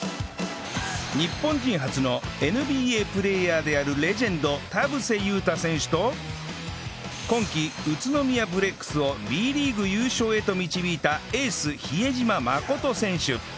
日本人初の ＮＢＡ プレーヤーであるレジェンド田臥勇太選手と今季宇都宮ブレックスを Ｂ リーグ優勝へと導いたエース比江島慎選手